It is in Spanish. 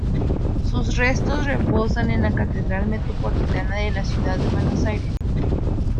Sus restos reposan en la Catedral Metropolitana de la Ciudad de Buenos Aires.